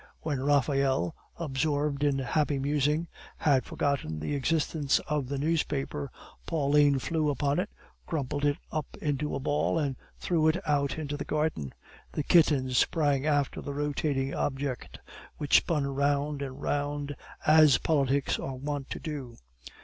When Raphael, absorbed in happy musing, had forgotten the existence of the newspaper, Pauline flew upon it, crumpled it up into a ball, and threw it out into the garden; the kitten sprang after the rotating object, which spun round and round, as politics are wont to do.